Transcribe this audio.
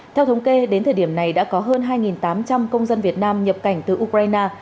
theo thống kê đến thời điểm này đã có hơn hai tám trăm linh công dân việt nam nhập cảnh từ ukraine